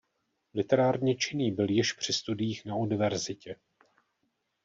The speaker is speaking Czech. Literárně činný byl již při studiích na univerzitě.